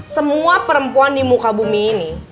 semua perempuan di muka bumi ini